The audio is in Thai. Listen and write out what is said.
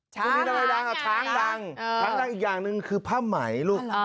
ช้างอีกอย่างหนึ่งคือผ้าไหมลูก